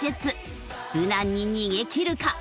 無難に逃げきるか？